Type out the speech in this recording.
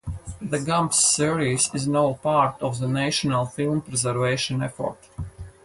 The Gumps series is now part of the National Film preservation effort.